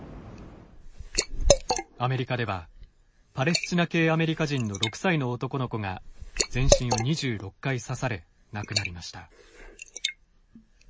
アメリカではパレスチナ系アメリカ人の６歳の男の子が、全身を２６回刺され、亡くなりました。